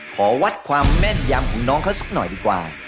ขอวัดความแม่นยำของน้องเขาสักหน่อยดีกว่า